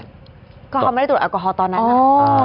ก็เขาไม่ได้ตรวจแอลกอฮอลตอนนั้นนะ